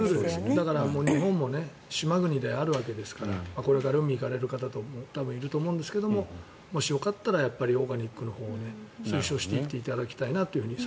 だから日本も島国であるわけですからこれから海に行かれる方も多分、いると思うんですけれどももしよかったらオーガニックのほうを推奨していっていただきたいと思います。